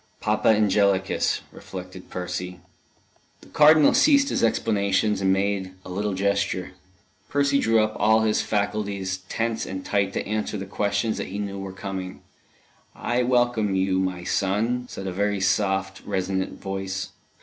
Papa Angelicus! reflected Percy. The Cardinal ceased his explanations, and made a little gesture. Percy drew up all his faculties tense and tight to answer the questions that he knew were coming. "I welcome you, my son," said a very soft, resonant voice.